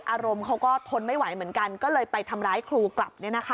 อารมณ์เขาก็ทนไม่ไหวเหมือนกันก็เลยไปทำร้ายครูกลับ